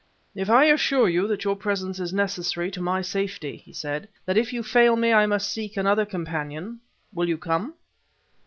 "If I assure you that your presence is necessary to my safety," he said "that if you fail me I must seek another companion will you come?"